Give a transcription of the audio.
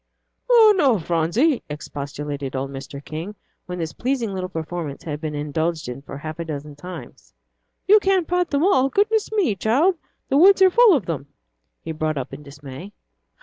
"Oh, no, Phronsie," expostulated old Mr. King, when this pleasing little performance had been indulged in for a half a dozen times. "You can't pat them all; goodness me, child, the woods are full of them," he brought up in dismay.